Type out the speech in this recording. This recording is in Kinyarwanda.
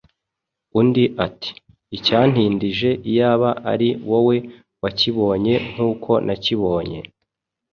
undi ati «Icyantindije iyaba ari wowe wakibonye nk'uko nakibonye